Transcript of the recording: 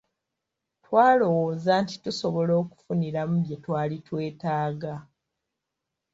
Twalowooza nti tusobola okufuniramu bye twali twetaaga.